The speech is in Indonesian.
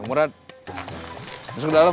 kang murad masuk ke dalam